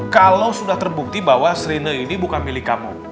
kalau sudah terbukti bahwa serine ini bukan milik kamu